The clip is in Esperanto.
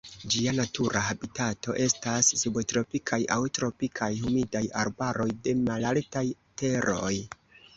Ĝia natura habitato estas subtropikaj aŭ tropikaj humidaj arbaroj de malaltaj teroj.